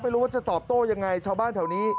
ไม่รู้ว่าจะตอบโต้ยังไงชาวบ้านแถวนี้